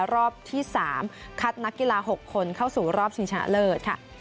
รอบที่๓คัดนักกีฬา๖คนเข้าสู่รอบชิงชนะเลิศค่ะ